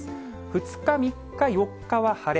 ２日、３日、４日は晴れ。